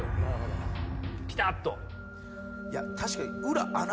いや確かに。